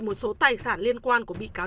một số tài sản liên quan của bị cáo